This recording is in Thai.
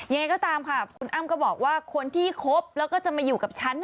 ยังไงก็ตามค่ะคุณอ้ำก็บอกว่าคนที่คบแล้วก็จะมาอยู่กับฉัน